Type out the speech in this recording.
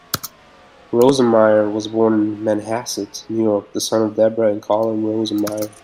Rosenmeyer was born in Manhasset, New York, the son of Debra and Colin Rosenmeyer.